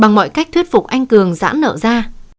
bằng mọi cách thuyết phục anh cường giãn nợ ra